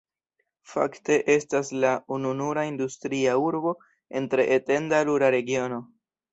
Fakte estas la ununura industria urbo en tre etenda rura regiono.